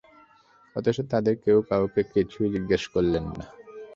অথচ তাদের কেউ কাউকে কিছুই জিজ্ঞেস করলেন না।